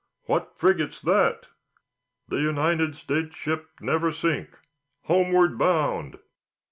What frigate's that?" "The United States ship Neversink, homeward bound."